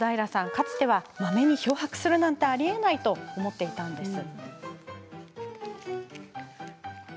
かつては、まめに漂白なんてありえないと思っていたんです。